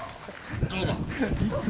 どうだ？